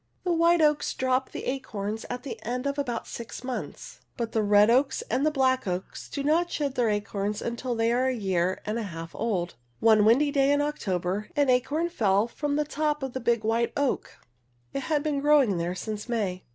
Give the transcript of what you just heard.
The white oaks drop the acorns at the end of about six months, but the red oaks and black oaks do not shed their acorns until they are a year and a half old. One windy day in October, an acorn fell from the top of a big white oak. It had been growing there since May.